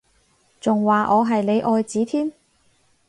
仲話我係你愛子添？